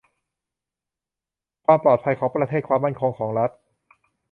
ความปลอดภัยของประเทศ ความมั่นคงของรัฐ